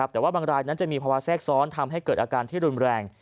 แต่ว่าบางรายนั้นจะมีภาวะแทรกซ้อนทำให้เกิดอาการที่รุนแรง